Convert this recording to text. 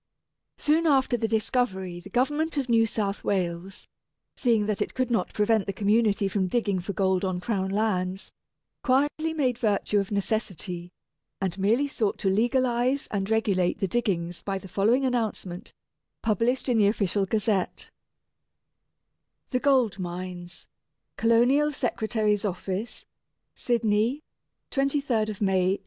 Soon after the discovery the Government of New South Wales, seeing that it could not prevent the community from digging for gold on Crown lands, quietly made virtue of necessity, and merely sought to legalize and regulate the diggings by the following announcement, published in the "Official Gazette": THE GOLD MINES Colonial Secretary's Office, Sydney, 23rd May, 1851.